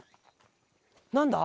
何だ？